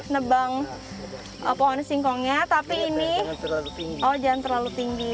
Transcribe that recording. nebang pohon singkongnya tapi ini oh jangan terlalu tinggi